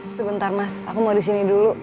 sebentar mas aku mau disini dulu